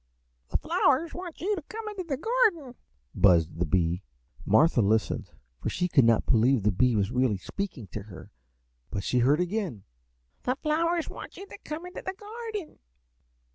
"The flowers want you to come into the garden," buzzed the bee. Martha listened, for she could not believe the bee was really speaking to her, but she heard again, "The flowers want you to come into the garden."